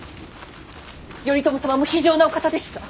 頼朝様も非情なお方でした。